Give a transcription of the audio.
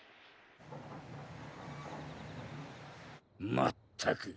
まったく。